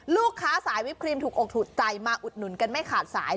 ลูกค้าสายวิปครีมถูกอกถูกใจมาอุดหนุนกันไม่ขาดสาย